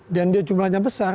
dan jumlahnya besar